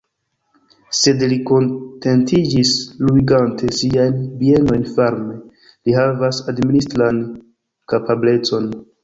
Sed li kontentiĝis luigante siajn bienojn farme: li havas administran kapablecon.